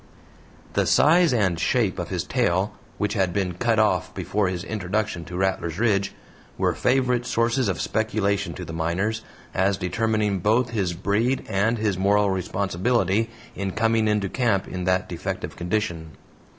The size and shape of his tail which had been cut off before his introduction to Rattlers Ridge were favorite sources of speculation to the miners, as determining both his breed and his moral responsibility in coming into camp in that defective condition.